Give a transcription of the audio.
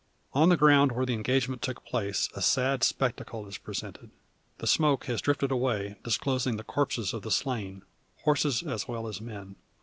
On the ground where the engagement took place, a sad spectacle is presented. The smoke has drifted away, disclosing the corpses of the slain horses as well as men.